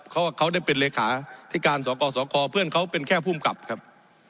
เพราะว่าเขาได้เป็นเลขาธิการสกสคเพื่อนเขาเป็นแค่ภูมิกับครับ